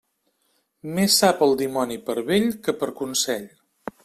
Més sap el dimoni per vell que per consell.